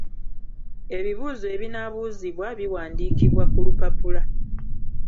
Ebibuuzo ebinaabuuzibwa biwanddikibwa ku lupapula.